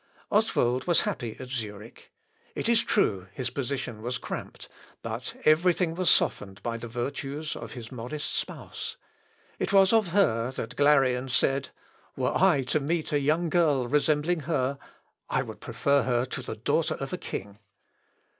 Oswald was happy at Zurich. It is true, his position was cramped; but every thing was softened by the virtues of his modest spouse. It was of her that Glarean said, "Were I to meet a young girl resembling her, I would prefer her to the daughter of a king."